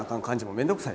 面倒くさい？